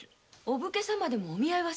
お武家でもお見合いを？